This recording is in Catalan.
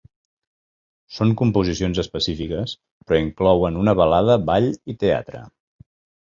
Són composicions específiques, però inclouen una balada, ball i teatre.